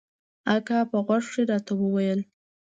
اکا په غوږ کښې راته وويل.